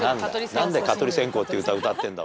なんで「蚊取り線香」っていう歌歌ってんだ？